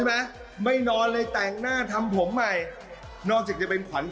แล้วหลังนั้นเราก็จะไปต่อ